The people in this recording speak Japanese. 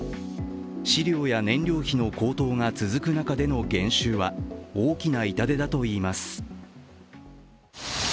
飼料や燃料費の高騰が続く中での減収は大きな痛手だと言います。